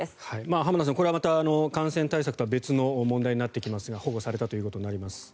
浜田さん、これはまた感染対策とは別の問題になってきますが保護されたということになってきます。